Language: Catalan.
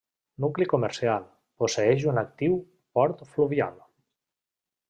Nucli comercial, posseeix un actiu port fluvial.